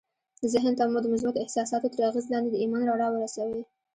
ذهن ته مو د مثبتو احساساتو تر اغېز لاندې د ايمان رڼا ورسوئ.